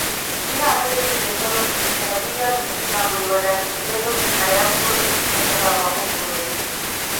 ގިނަ ޢަދަދެއްގެ ބޭކަލުން އެނަބިއްޔާގެ މިޝަނާ ގުޅިވަޑައިގެން އެބޭކަލުންގެ ޙަޔާތްޕުޅު އެމިޝަނަށްޓަކައި ވަޤުފު ކުރެއްވި